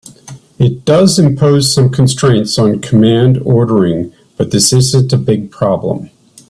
It does impose some constraints on command ordering, but this isn't a big problem.